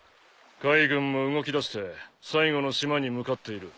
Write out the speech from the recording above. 海軍も動きだして最後の島に向かっている。